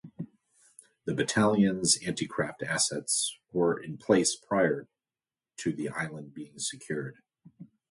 The battalions antiaircraft assets were in place prior to the island being secured.